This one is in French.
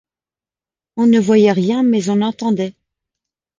On ne voyait rien, mais on entendait.